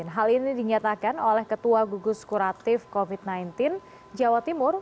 hal ini dinyatakan oleh ketua gugus kuratif covid sembilan belas jawa timur